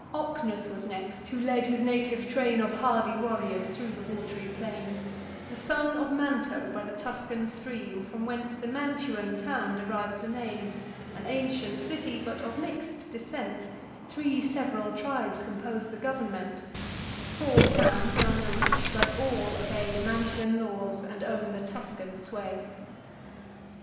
Ocnus was next, who led his native train Of hardy warriors thro' the wat'ry plain: The son of Manto by the Tuscan stream, From whence the Mantuan town derives the name— An ancient city, but of mix'd descent: Three sev'ral tribes compose the government; Four towns are under each; but all obey The Mantuan laws, and own the Tuscan sway.